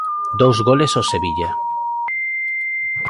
Dous goles ao Sevilla.